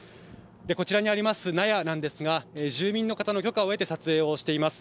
こちらにあります納屋なんですが、住民の方の許可を得て撮影をしています。